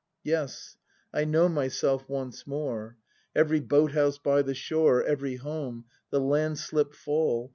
] Yes, I know myself once more! Every boat house by the shore, Every home; the landslip fall.